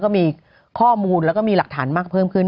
ก็มีข้อมูลและหลักฐานใหม่เพิ่มขึ้น